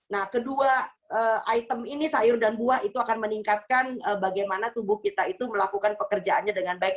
nah kedua item ini sayur dan buah itu akan meningkatkan bagaimana tubuh kita itu melakukan pekerjaannya dengan baik